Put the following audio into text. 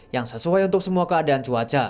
yang sesuai untuk semua keadaan cuaca